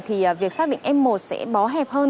thì việc xác định f một sẽ bó hẹp hơn